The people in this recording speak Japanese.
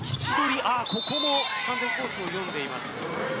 ここもコースを読んでいます。